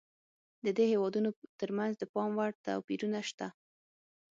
د دې هېوادونو ترمنځ د پاموړ توپیرونه شته.